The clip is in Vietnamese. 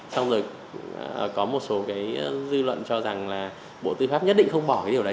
xong rồi có một số cái dư luận cho rằng là bộ tư pháp nhất định không bỏ cái điều đấy